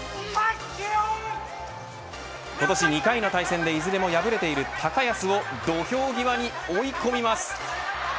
今年２回の対戦でいずれも敗れている高安を土俵際に追い込みます